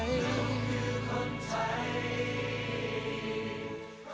นี้คือการทำลายเศรษฐิกษ์